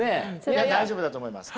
大丈夫だと思います。